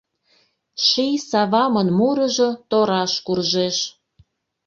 Ший савамын мурыжо тораш куржеш.